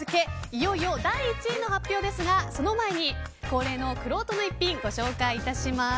いよいよ第１位の発表ですがその前に恒例のくろうとの逸品ご紹介いたします。